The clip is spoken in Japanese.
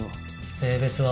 性別は？